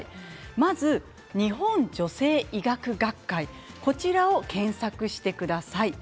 まず日本女性医学学会検索してみてください。